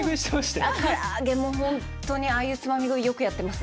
からあげも本当にああいうつまみ食いよくやってます。